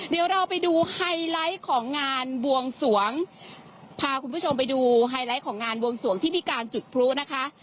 เดี๋ยวเราไปดูไฮไลท์ของงานบวงสวงพาคุณผู้ชมไปดูไฮไลท์ของงานบวงสวงที่มีการจุดพลุนะคะ